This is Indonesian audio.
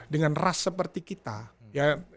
dengan ras seperti kita